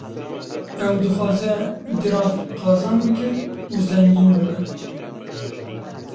Ew dixwaze dirav qazan bike û zengîn bibe